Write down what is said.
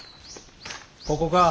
ここか？